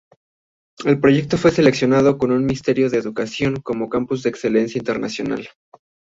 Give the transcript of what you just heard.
El proyecto fue seleccionado por el Ministerio de Educación como Campus de Excelencia Internacional.